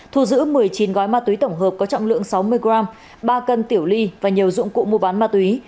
thu giữ một mươi chín gói ma túy tổng hợp có trọng lượng sáu mươi g ba cân tiểu ly và nhiều dụng cụ mua bán ma túy